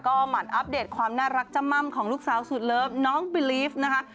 หมั่นอัปเดตความน่ารักจำม่ำของลูกสาวสุดเลิฟน้องบิลีฟนะคะ